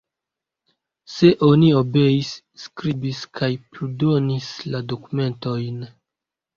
Sed oni obeis, skribis kaj pludonis la dokumentojn.